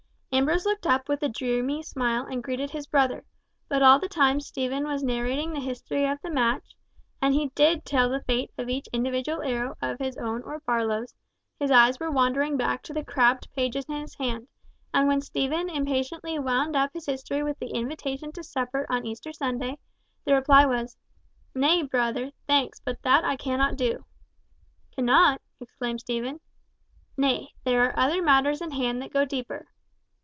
Ambrose looked up with a dreamy smile and greeted his brother; but all the time Stephen was narrating the history of the match (and he did tell the fate of each individual arrow of his own or Barlow's) his eyes were wandering back to the crabbed page in his hand, and when Stephen impatiently wound up his history with the invitation to supper on Easter Sunday, the reply was, "Nay, brother, thanks, but that I cannot do." "Cannot!" exclaimed Stephen. "Nay, there are other matters in hand that go deeper."